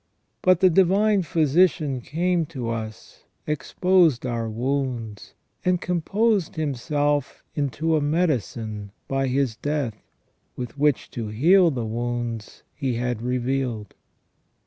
But the Divine Physician came to us, exposed our wounds, and composed Himself into a medicine by His death, with which to heal the wounds He had revealed."